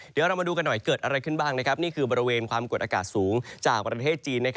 เดี๋ยวเรามาดูกันหน่อยเกิดอะไรขึ้นบ้างนี่คือบริเวณความกดอากาศสูงจากประเทศจีน